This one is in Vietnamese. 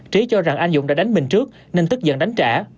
trí cho rằng anh dũng đã đánh mình trước nên tức giận đánh trả